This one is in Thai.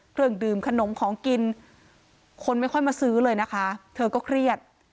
เครื่องดื่มขนมของกินคนไม่ค่อยมาซื้อเลยนะคะเธอก็เครียด